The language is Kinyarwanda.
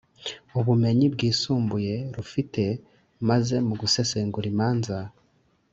ubumenyi bwisumbuye rufite maze mu gusesengura imanza